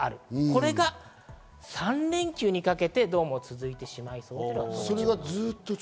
これが３連休にかけて、どうも続いてしまいそうということです。